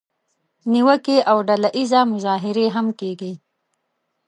نیوکې او ډله اییزه مظاهرې هم کیږي.